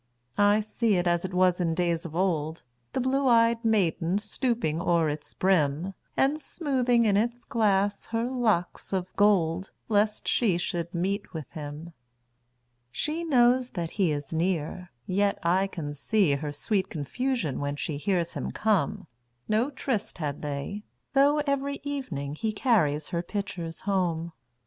I see it as it was in days of old, The blue ey'd maiden stooping o'er its brim, And smoothing in its glass her locks of gold, Lest she should meet with him. She knows that he is near, yet I can seeHer sweet confusion when she hears him come.No tryst had they, though every evening heCarries her pitchers home.